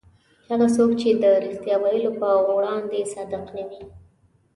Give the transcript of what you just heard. هغه څوک چې د رښتیا ویلو په وړاندې صادق نه وي.